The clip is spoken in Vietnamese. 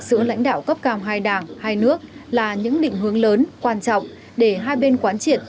sự lãnh đạo cấp cao hai đảng hai nước là những định hướng lớn quan trọng để hai bên quán triển